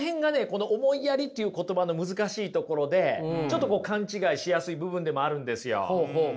この「思いやり」という言葉の難しいところでちょっと勘違いしやすい部分でもあるんですよ。